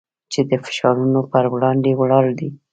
چې د فشارونو پر وړاندې ولاړ دی.